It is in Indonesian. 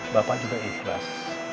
bapak juga ikhlas